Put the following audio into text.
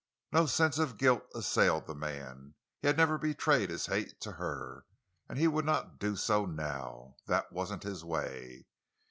No sense of guilt assailed the man. He had never betrayed his hate to her, and he would not do so now. That wasn't his way.